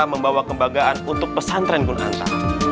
membawa kembagaan untuk pesantren gunanta